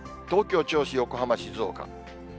東京、銚子、横浜、静岡。